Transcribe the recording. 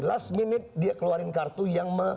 last minute dia keluarin kartu yang